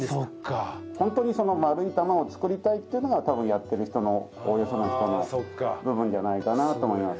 ホントに丸い玉を作りたいっていうのが多分やってる人のおおよその人の部分じゃないかなと思います。